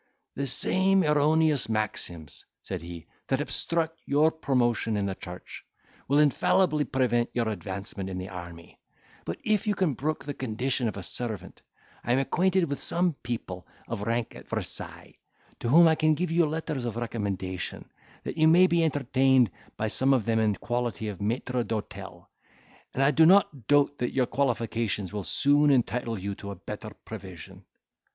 "The same erroneous maxims," said he, "that obstruct your promotion in the church, will infallibly prevent your advancement in the army; but, if you can brook the condition of a servant, I am acquainted with some people of rank at Versailles, to whom I can give you letters of recommendation, that you may be entertained by some one of them in quality of maitre d'hotel; and I do not doubt that your qualifications will soon entitle you to a better provision."